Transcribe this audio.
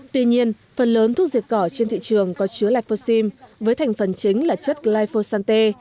tuy nhiên phần lớn thuốc diệt cỏ trên thị trường có chứa livfoxim với thành phần chính là chất glyphosant